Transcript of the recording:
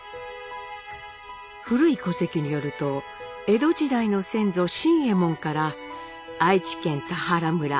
古い戸籍によると江戸時代の先祖新右ェ門から愛知県田原村